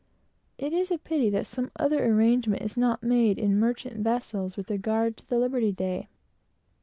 It is a pity that some other arrangement is not made in merchant vessels, with regard to the liberty day.